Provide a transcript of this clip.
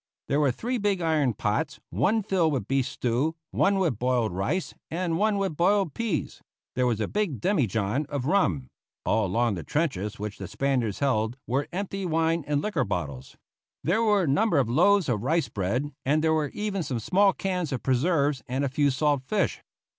There were three big iron pots, one filled with beef stew, one with boiled rice, and one with boiled peas; there was a big demijohn of rum (all along the trenches which the Spaniards held were empty wine and liquor bottles); there were a number of loaves of rice bread; and there were even some small cans of preserves and a few salt fish.